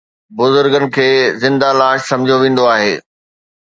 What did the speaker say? بزرگن کي زنده لاش سمجهيو ويندو آهي